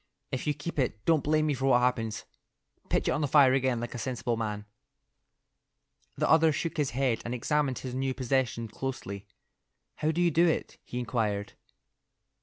If you keep it, don't blame me for what happens. Pitch it on the fire again like a sensible man." The other shook his head and examined his new possession closely. "How do you do it?" he inquired.